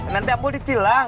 nanti amul ditilang